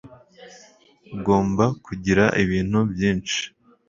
ugomba kugira ibintu byinshi